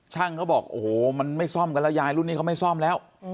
ช่างเขาบอกโอ้โหยายรุ่นนี้เขาไม่ส่องแล้ว